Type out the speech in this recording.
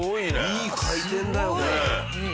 いい回転だよね。